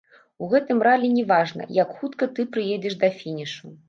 У гэтым ралі не важна, як хутка ты прыедзеш да фінішу.